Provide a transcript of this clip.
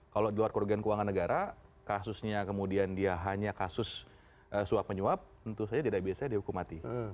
kalau di luar kerugian keuangan negara kasusnya kemudian dia hanya kasus suap menyuap tentu saja tidak biasanya dihukum mati